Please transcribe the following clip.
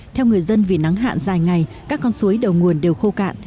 theo người dân vì nắng hạn dài ngày các con suối đầu nguồn đều khô cạn